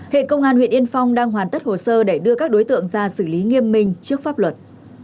hiện công an huyện yên phong đang hoàn tất hồ sơ để đưa các đối tượng ra xử lý nghiêm minh trước pháp luật